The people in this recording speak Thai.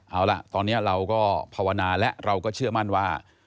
เอาล่ะตอนนี้เราก็ภาวนาแล้วเราก็เชื่อมั่นว่า